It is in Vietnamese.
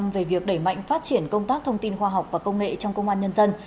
về việc đẩy mạnh phát triển công tác thông tin khoa học và công nghệ trong công an nhân dân